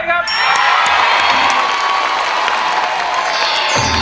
ขอบคุณครับ